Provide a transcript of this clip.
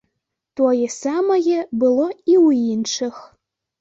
Тое самае было і ў іншых.